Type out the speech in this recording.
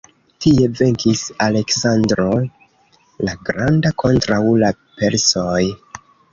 Tie venkis Aleksandro la Granda kontraŭ la persoj.